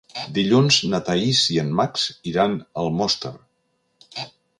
Dilluns na Thaís i en Max iran a Almoster.